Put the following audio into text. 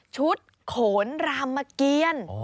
ชุดขนรามเกียรติ